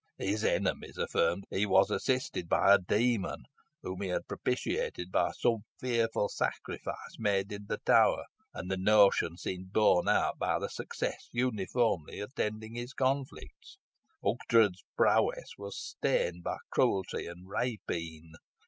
His enemies affirmed he was assisted by a demon, whom he had propitiated by some fearful sacrifice made in the tower, and the notion seemed borne out by the success uniformly attending his conflicts. Ughtred's prowess was stained by cruelty and rapine.